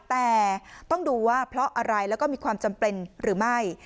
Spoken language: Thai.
แต่ต้องดูว่าเพราะอะไรแล้วก็มีความจำเป็นหรือไม่